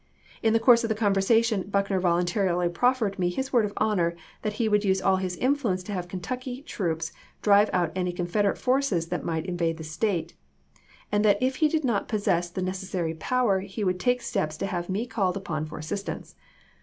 In the course of the conversation Buckner voluntarily proffered me his word of honor that he would use all his influence to have Kentucky troops drive out any Confederate forces that might invade the State, and that if he did not possess the necessary power, he would take steps to have me called upon for assist ance.